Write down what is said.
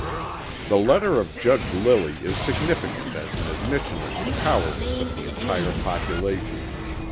The letter of Judge Lilly is significant as an admission of the cowardice of the entire population.